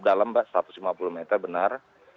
dalam mbak satu ratus lima puluh meter benar